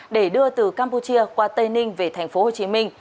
để đưa từ campuchia qua tây ninh về tp hcm